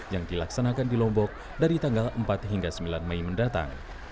yang dilaksanakan di lombok dari tanggal empat hingga sembilan mei mendatang